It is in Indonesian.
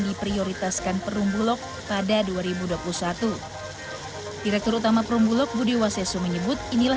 diprioritaskan perumbulok pada dua ribu dua puluh satu direktur utama perumbulok budi waseso menyebut inilah